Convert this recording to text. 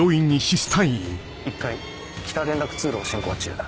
１階北連絡通路を進行中。